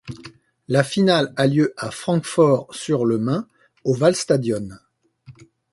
La finale a lieu à Francfort-sur-le-Main au Waldstadion.